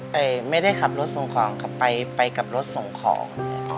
ไปไม่ได้ขับรถส่งของไปกับรถส่งของ